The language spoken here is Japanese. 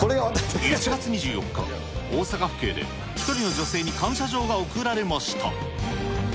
１月２４日、大阪府警で、１人の女性に感謝状が贈られました。